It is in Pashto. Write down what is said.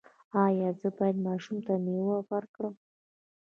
ایا زه باید ماشوم ته میوه ورکړم؟